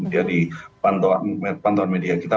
jadi pantauan media kita